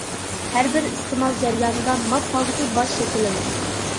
ھەربىر ئىستېمال جەريانىدا ماس ھالدىكى باج شەكىللىنىدۇ.